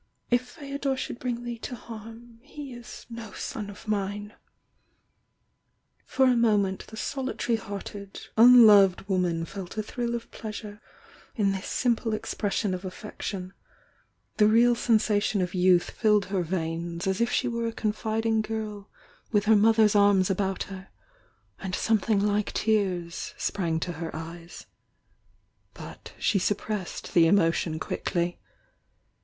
If F&dor should bring thie to harm, he is no son of mine I " an^feltTthHl?*/^? solitary hearted, unloved wom an felt a thrill of pleasure in this simple expression of a£Fection, the real sensation of youth filled her W! i1 I I 282 THE YOUNG DIANA veins, as if she were a confiding girl with her moth er's arms about her, and something like tears sprang to her eyes. But she suppressed the emotion quick ly.